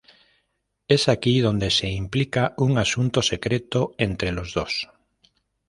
Es aquí donde se implica un asunto secreto entre los dos.